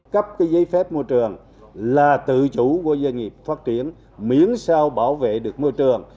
cấp cái giấy phép môi trường là tự chủ của doanh nghiệp phát triển miễn sao bảo vệ được môi trường